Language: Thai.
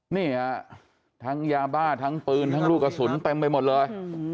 นี่ฮะทั้งยาบ้าทั้งปืนทั้งลูกกระสุนเต็มไปหมดเลย